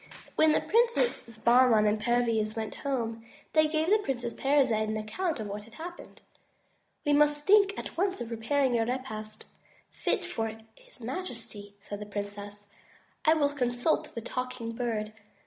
When the Princes Bahman and Perviz went home, they gave the Princess Parizade an account of what had passed. "We must think at once of preparing a repast fit for his majesty," said the princess. "I will consult the Talking Bird.